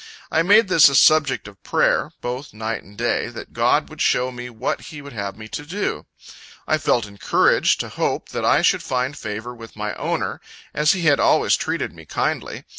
I made this a subject of prayer, both night and day, that God would show me what he would have me do. I felt encouraged to hope that I should find favor with my owner, as he had always treated me kindly.